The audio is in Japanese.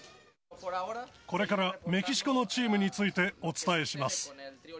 これからメキシコのチームについて、お伝えします。